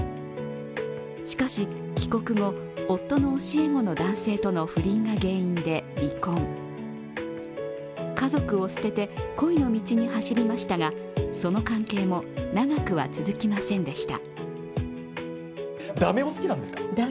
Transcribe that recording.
しかし、帰国後、夫の教え子の男性との不倫が原因で離婚家族を捨てて恋の道に走りましたがその関係も長くは続きませんでした。